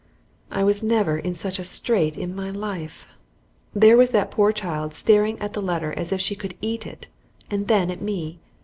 I was never in such a strait in my life. There was that poor child staring at the letter as if she could eat it, and then at me.